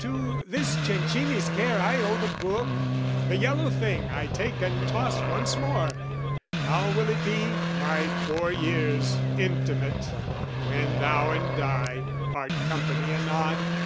To this Cencini's care I owe the Book, The yellow thing I take and toss once more How will it be, my four years' intimate, When thou and I part company anon?